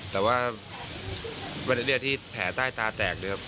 แต่ว่าวันนี้ที่แผ่ใต้ตาแตกเลยครับ